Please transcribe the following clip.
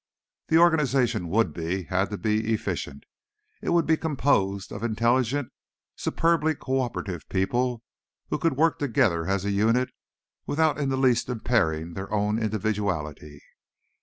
The organization would be—had to be—efficient. It would be composed of intelligent, superbly cooperative people, who could work together as a unit without in the least impairing their own individuality.